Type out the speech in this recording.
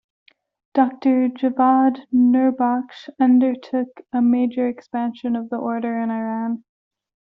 Doctor Javad Nurbakhsh undertook a major expansion of the order in Iran.